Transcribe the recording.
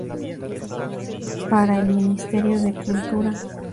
Para el Ministerio de Cultura.